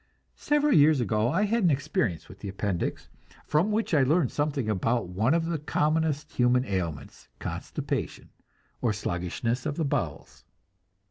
Several years ago I had an experience with the appendix, from which I learned something about one of the commonest of human ailments, constipation, or sluggishness of the bowels.